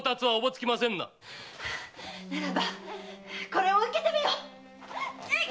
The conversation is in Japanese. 〔ならばこれを受けてみよ！〕